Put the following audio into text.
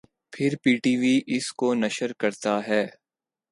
پھر P T V اس کو نشر کرتا ہے